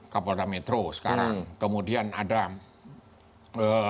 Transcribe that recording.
kapolda metro sekarang kemudian ada